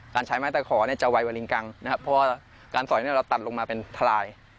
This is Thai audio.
ใช้ไม้ตะขอเนี่ยจะไวกว่าลิงกังนะครับเพราะว่าการสอยเนี่ยเราตัดลงมาเป็นทลาย